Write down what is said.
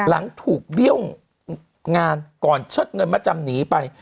หลังถูกเบี้ยวงานก่อนเชิดเงินมาจำหนีไป